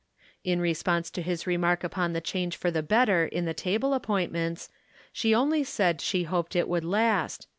In response to his remark upon the change for the better in the table appointments, she only said she hoped it would last.